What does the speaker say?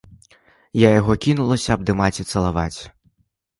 Я яго кінулася абдымаць і цалаваць.